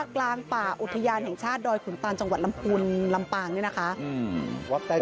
กลางป่าอุทยานแห่งชาติดอยขุนตานจังหวัดลำพูนลำปางเนี่ยนะคะ